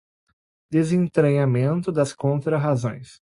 desentranhamento das contrarrazões